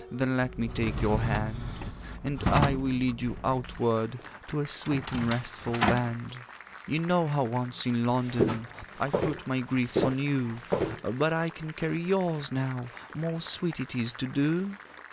Then let me take your hand; And I will lead you outward To a sweet and restful land. 'You know how once in London I put my griefs on you; But I can carry yours now— Most sweet it is to do!